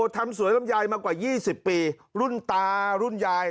ทำสวนรำยายมากกว่ายี่สิบปีรุ่นตารุ่นยาย